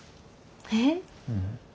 えっ？